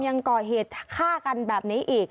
ยังก่อเหตุฆ่ากันแบบนี้อีก